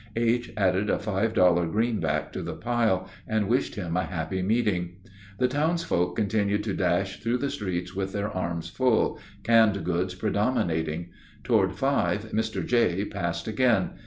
H. added a five dollar greenback to the pile, and wished him a happy meeting. The townsfolk continued to dash through the streets with their arms full, canned goods predominating. Toward five, Mr. J. passed again.